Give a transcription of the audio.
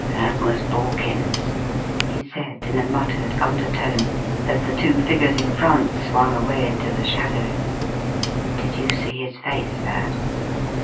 "That was Borkins!" he said in a muttered undertone, as the two figures in front swung away into the shadows. "Did you see his face, lad?"